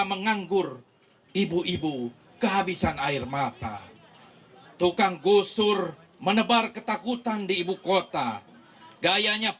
menganggur ibu ibu kehabisan air mata tukang gusur menebar ketakutan di ibu kota gayanya